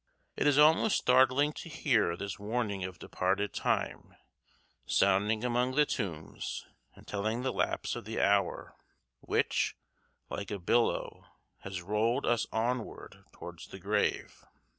It is almost startling to hear this warning of departed time sounding among the tombs and telling the lapse of the hour, which, like a billow, has rolled us onward towards the grave.